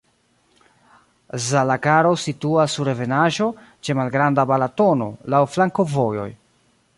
Zalakaros situas sur ebenaĵo, ĉe malgranda Balatono, laŭ flankovojoj.